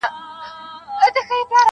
د ګیدړ باټو له حاله وو ایستلی-